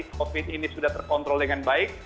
covid ini sudah terkontrol dengan baik